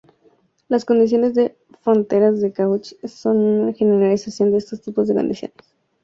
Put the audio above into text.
Las condiciones de frontera de Cauchy son una generalización de estos tipos de condiciones.